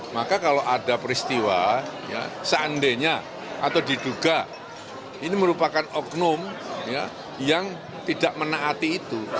maka kalau ada peristiwa seandainya atau diduga ini merupakan oknum yang tidak menaati itu